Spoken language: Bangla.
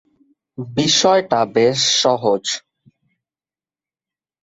বিষয়টা বেশ সহজ।